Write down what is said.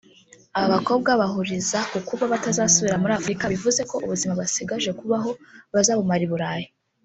Aba bakobwa bahuriza kukuba batazasubira muri Afurika bivuze ko ubuzima basigaje kubaho bazabumara I Burayi